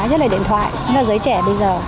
nhất là điện thoại nhất là giới trẻ bây giờ